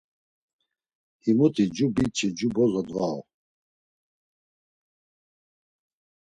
Himuti cu biç̌i cu bozo dvau.